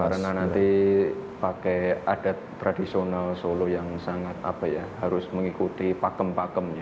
karena nanti pakai adat tradisional solo yang sangat apa ya harus mengikuti pakem pakemnya